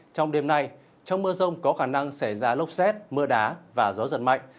trong đêm nay trong mưa rông có khả năng xảy ra lốc xét mưa đá và gió giật mạnh